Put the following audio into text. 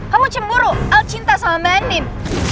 kamu cemburu al cinta sama mbak endin